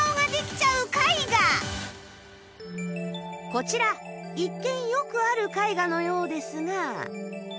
こちら一見よくある絵画のようですが